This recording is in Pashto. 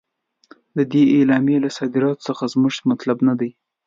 د دې اعلامیې له صادرولو څخه زموږ مطلب نه دی.